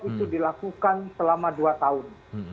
itu dilakukan selama dua tahun